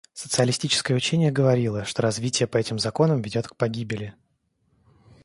Социалистическое учение говорило, что развитие по этим законам ведет к погибели.